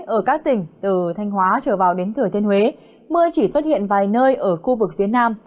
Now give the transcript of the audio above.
ở các tỉnh từ thanh hóa trở vào đến thừa thiên huế mưa chỉ xuất hiện vài nơi ở khu vực phía nam